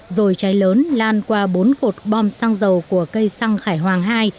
rồi cháy lớn lan qua bốn cột bom xăng dầu của cây xăng khải hoàng hai